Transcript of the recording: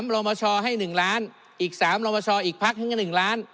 ๓รมชให้๑ล้านอีก๓รมชอีกพักให้๑ล้าน